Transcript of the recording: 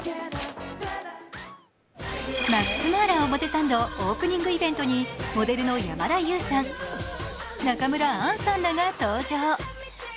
ＭａｘＭａｒａ表参道オープニングイベントにモデルの山田優さん、中村アンさんらが登場。